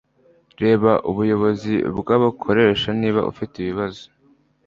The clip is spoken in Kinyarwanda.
Reba Ubuyobozi bw'abakoresha niba ufite ibibazo